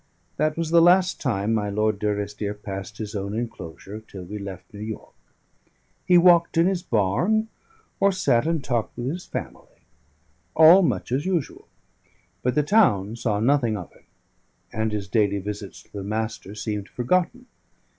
That was the last time my Lord Durrisdeer passed his own enclosure till we left New York; he walked in his barn, or sat and talked with his family, all much as usual; but the town saw nothing of him, and his daily visits to the Master seemed forgotten.